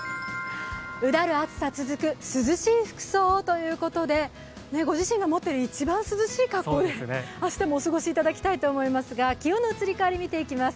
うだる暑さ続く、涼しい服装をということで、ご自身が持ってる一番涼しい格好でお過ごしいただきたいと思いますが気温の移り変わり、見ていきます。